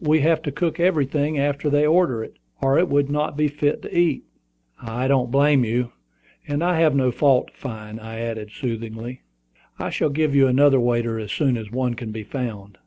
We have to cook everything after they order it, or it would not be fit to eat." "I don't blame you, and I have no fault to find," I added, soothingly. "I shall give you another waiter as soon as one can be found."